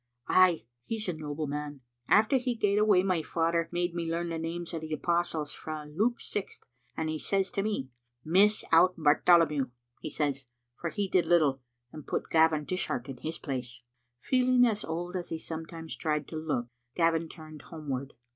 Ay, he's a noble man. After he gaed awa my father made me learn the names o' the apostles frae Luke sixth, and he says to me, 'Miss out Bartholomew/ he says, *for he did little, and put Gavin Dishart in his place.'" Feeling as old as he sometimes tried to look, Gavin turned homeward.